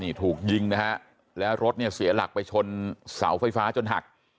นี่ถูกยิงนะฮะแล้วรถเนี่ยเสียหลักไปชนเสาไฟฟ้าจนหัก